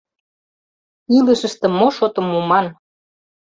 Илышыште мо шотым муман?